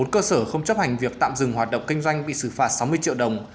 một mươi cơ sở không chấp hành việc tạm dừng hoạt động kinh doanh bị xử phạt sáu mươi triệu đồng